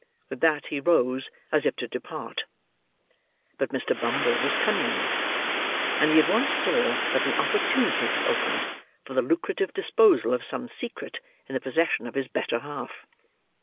With that he rose, as if to depart. But Mr. Bumble was cunning enough; and he at once saw that an opportunity was opened, for the lucrative disposal of some secret in the possession of his better half.